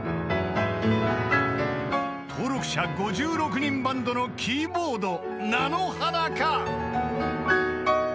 ［登録者５６人バンドのキーボードなのはなか？］